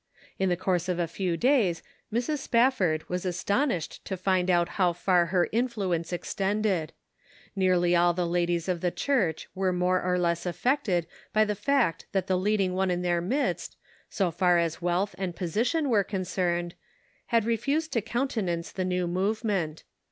In the course of a few days Mrs. Spafford was as tonished to find out how far her influence extended. Nearly all the ladies of the church. 230 The Pocket Measure. were more or less affected by the fact that the leading one in their midst, so far as wealth and position were concerned, had refused to countenance the new movement.